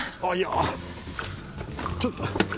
あっいやあっちょっと。